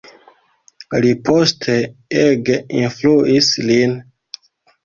Li poste ege influis lin.